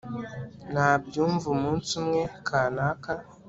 nabyumva umunsi umwe, kanaka